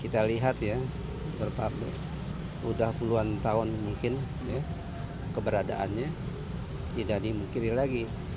karena kita lihat ya berapa udah puluhan tahun mungkin ya keberadaannya tidak dimungkiri lagi